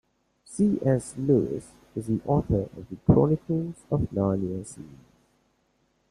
C.S. Lewis is the author of The Chronicles of Narnia series.